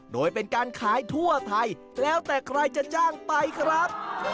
โดยเป็นการขายทั่วไทยแล้วแต่ใครจะจ้างไปครับ